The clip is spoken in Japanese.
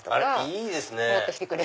いいですね